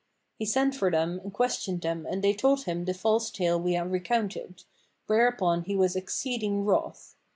He sent for them and questioned them and they told him the false tale we have recounted, whereupon he was exceeding wroth.